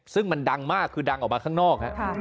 ซึ่งมันดังมากคือดังออกมาข้างนอก